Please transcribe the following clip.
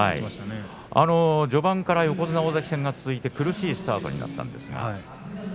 序盤から横綱大関戦が続いて苦しいスタートになりました。